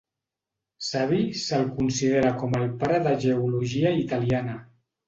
Savi se'l considera com el pare de geologia italiana.